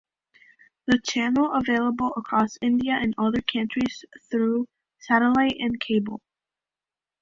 The channel available across India and other countries through satellite and cable.